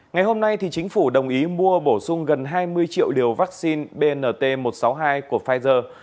ngày hôm nay chính phủ đồng ý mua bổ sung gần hai mươi triệu liều vaccine bnt một trăm sáu mươi hai của pfizer